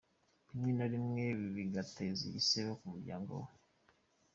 Rimwe na rimwe bigateza igisebo ku muryango we.